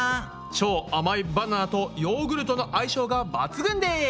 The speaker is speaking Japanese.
超甘いバナナとヨーグルトの相性が抜群です。